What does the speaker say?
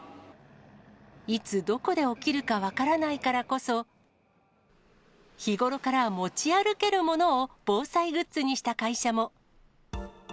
いつどこで起きるか分からないからこそ、日頃から持ち歩けるものを防災グッズにした会社も。